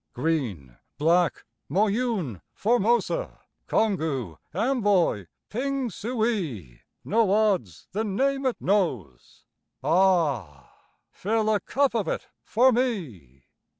Green, Black, Moyune, Formosa, Congou, Amboy, Pingsuey No odds the name it knows ah! Fill a cup of it for me!